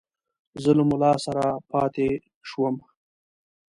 زه له مُلا سره پاته شوم.